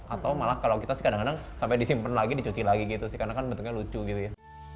atau malah kalau kita sih kadang kadang sampai disimpan lagi dicuci lagi gitu sih karena kan bentuknya lucu gitu ya